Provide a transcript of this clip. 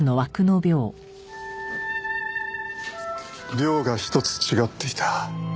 鋲が１つ違っていた。